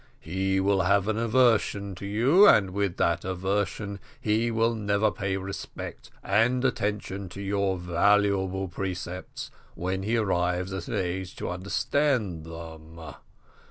He will have an aversion to you, and with that aversion he will never pay respect and attention to your valuable precepts when he arrives at an age to understand them.